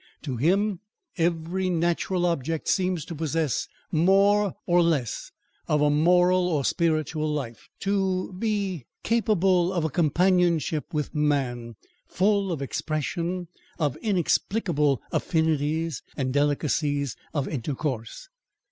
To him every natural object seemed to possess more or less of a moral or spiritual life, to be capable of a companionship with man, full of expression, of inexplicable affinities and delicacies of intercourse.